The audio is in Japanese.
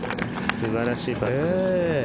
素晴らしいパットですね。